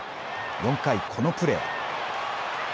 ４回、このプレー。